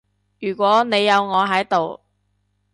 如果你有我喺度